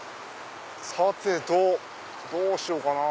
さてとどうしようかな。